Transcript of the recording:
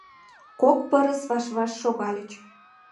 Кок пырыс ваш-ваш шогальыч.